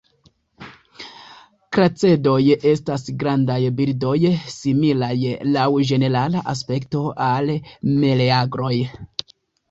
Kracedoj estas grandaj birdoj, similaj laŭ ĝenerala aspekto al meleagroj.